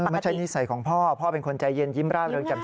ไม่ใช่นิสัยของพ่อพ่อเป็นคนใจเย็นยิ้มร่าเริงจำ